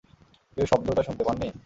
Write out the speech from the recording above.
কেউ শব্দটা শুনতে পাননি?